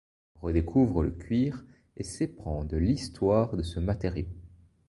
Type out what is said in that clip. Il redécouvre le cuir et s’éprend de l’histoire de ce matériau.